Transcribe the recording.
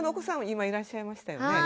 今いらっしゃいましたよね。